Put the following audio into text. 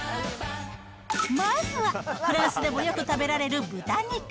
まずはフランスでもよく食べられる豚肉。